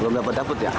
belum dapat dapat ya